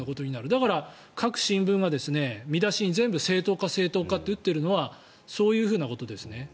だから、各新聞が見出しに全部正当化、正当化って打っているのはそういうことですね。